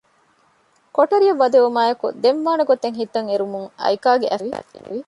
ކޮޓަރިއަށް ވަދެވުމާއެކު ދެން ވާނެގޮތް ހިތަށް އެރުމުން އައިކާގެ އަތްފައި ފިނިވި